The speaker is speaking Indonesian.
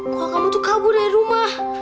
wah kamu tuh kabur dari rumah